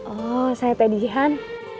oh saya pedihan